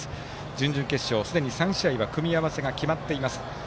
準々決勝、すでに３試合は組み合わせが決まっています。